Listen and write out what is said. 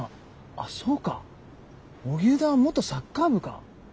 あっそうか荻生田は元サッカー部か。